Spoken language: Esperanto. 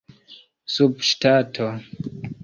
subŝtato